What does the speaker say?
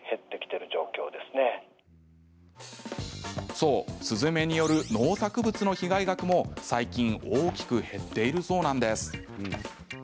そう、スズメによる農作物の被害額も最近、大きく減っているそうなんです。